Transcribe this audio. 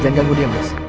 jangan ganggu dia mas